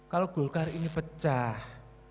kalau golkar ini pecah